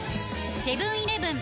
セブン−イレブン